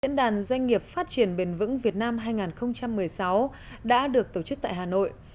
diễn đàn doanh nghiệp phát triển bền vững việt nam hai nghìn một mươi sáu đã được tổ chức tại hà nội